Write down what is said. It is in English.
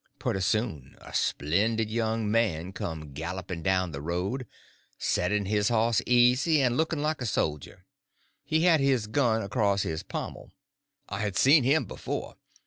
Pretty soon a splendid young man come galloping down the road, setting his horse easy and looking like a soldier. He had his gun across his pommel. I had seen him before.